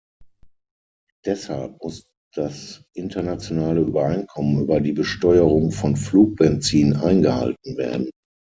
Deshalb muss das internationale Übereinkommen über die Besteuerung von Flugbenzin eingehalten werden.